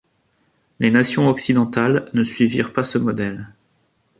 Les nations occidentales ne suivirent pas ce modèle.